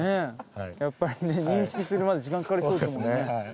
やっぱり認識するまで時間かかりそうですもんね。